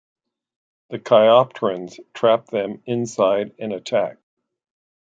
The chiropterans trap them inside and attack.